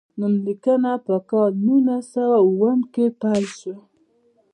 نوم لیکنه په کال نولس سوه اووم کې پیل شوه.